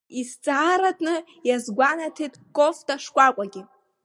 Изҵааратәны иаазгәанаҭеит кофҭашкәакәагьы.